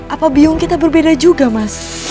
apa biung kita berbeda juga mas